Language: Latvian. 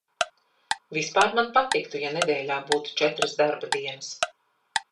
Vispār man patiktu, ja nedēļā būtu četras darba dienas.